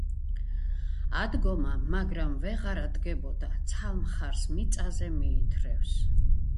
ადგომა მაგრამ ვეღარა დგებოდა ცალ მხარს მიწაზე მიითრევს